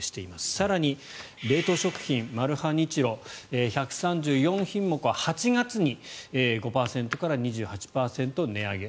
更に冷凍食品マルハニチロ、１３４品目を８月に５％から２８％値上げ。